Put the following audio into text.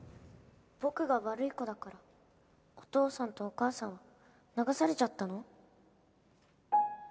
僕が悪い子だからお父さんとお母さんは流されちゃったの？